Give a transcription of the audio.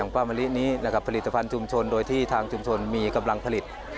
ป้ามะลินี้นะครับผลิตภัณฑ์ชุมชนโดยที่ทางชุมชนมีกำลังผลิต